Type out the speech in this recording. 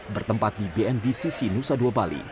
bertempat di bnd sisi nusa dua bali